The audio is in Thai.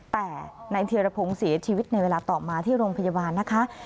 แต่นายเทียรพงศ์เสียชีวิตในเวลาต่อมาที่โรงพยาบาลนะคะ